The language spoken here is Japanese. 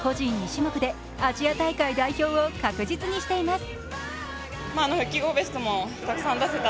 ２種目で、アジア大会代表を確実にしています。